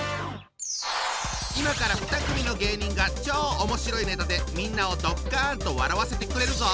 今から２組の芸人が超おもしろいネタでみんなをドッカンと笑わせてくれるぞ！